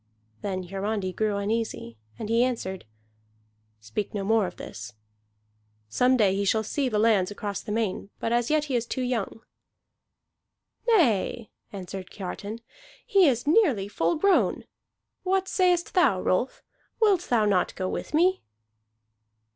Then Hiarandi grew uneasy, and he answered: "Speak no more of this. Some day he shall see the lands across the main, but as yet he is too young." "Nay," answered Kiartan, "he is nearly full grown. What sayest thou, Rolf? Wilt thou not go with me?"